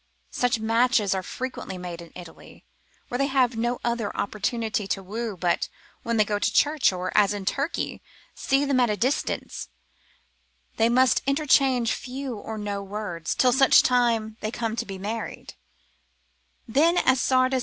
Such matches are frequently made in Italy, where they have no other opportunity to woo but when they go to church, or, as in Turkey, see them at a distance, they must interchange few or no words, till such time they come to be married, and then as Sardus lib.